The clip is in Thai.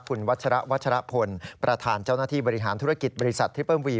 คุณวัชระวัชรพลประธานเจ้าหน้าที่บริหารธุรกิจบริษัททิเปิ้วี